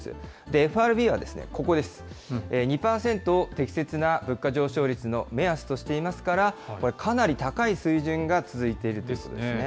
ＦＲＢはここです、２％を適切な物価上昇率の目安としていますから、かなり高い水準が続いているんですね。